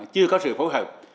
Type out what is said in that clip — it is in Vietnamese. chưa có sự phối hợp